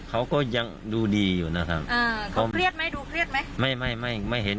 เอ๊ะมองต้องมองหน้าออกมาให้เห็น